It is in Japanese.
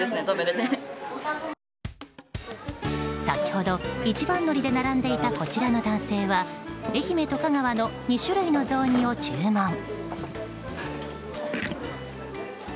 先ほど一番乗りで並んでいたこちらの男性は愛媛と香川の２種類の雑煮を注文。